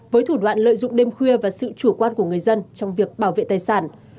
với thủ đoạn lợi dụng đêm khuya và sự chủ quan của người dân trong việc bảo vệ tài sản